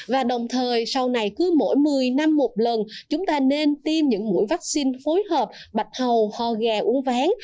và đồng thời sau này cứ mỗi một mươi năm một lần chúng ta nên tiêm những mũi vaccine phối hợp bạch hầu ho gà uống ván